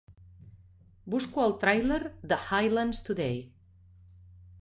Busco el tràiler de Highlands Today